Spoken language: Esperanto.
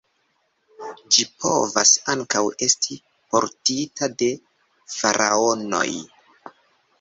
Ĝi povas ankaŭ esti portita de faraonoj.